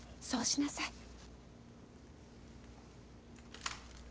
そうしなさい。